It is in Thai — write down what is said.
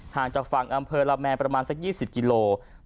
ห่างจากฝั่งอำเภอละแมนประมาณสัก๒๐กิโลกรัม